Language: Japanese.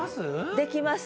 できます。